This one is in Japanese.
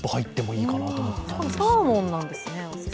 しかも、サーモンなんですね。